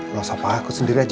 gak usah pak aku sendiri aja